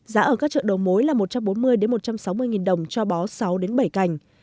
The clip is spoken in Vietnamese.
giá ở các chợ đầu mối là một trăm bốn mươi một trăm sáu mươi đồng cho bó sáu bảy cành